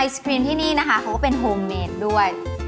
สกรีมที่นี่นะคะเขาก็เป็นโฮมเมนด้วย